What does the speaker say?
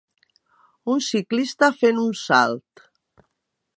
Un ciclista fent un salt.